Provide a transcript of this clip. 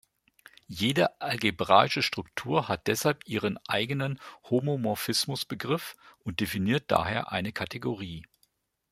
Jede algebraische Struktur hat deshalb ihren eigenen Homomorphismus-Begriff und definiert daher eine Kategorie.